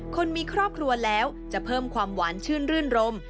คนมีครอบครัวแล้วจะเพิ่มความหวานชื่นรื่นรม